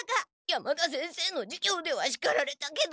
山田先生の授業ではしかられたけど。